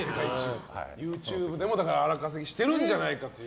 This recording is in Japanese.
ＹｏｕＴｕｂｅでも荒稼ぎしてるんじゃないかという。